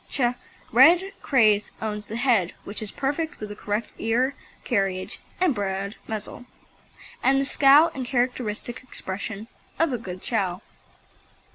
Ch. Red Craze owns the head which is perfect with the correct ear carriage and broad muzzle, and the scowl and characteristic expression of a good Chow.